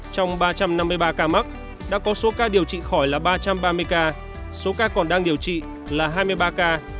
trong ba trăm năm mươi ba ca mắc đã có số ca điều trị khỏi là ba trăm ba mươi ca số ca còn đang điều trị là hai mươi ba ca